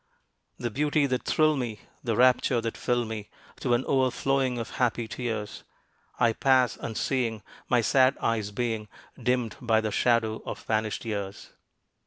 The beauty that thrilled me, the rapture that filled me, To an overflowing of happy tears, I pass unseeing, my sad eyes being Dimmed by the shadow of vanished years.